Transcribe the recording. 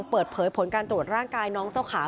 เปิดเผยผลการตรวจร่างกายน้องเจ้าขาว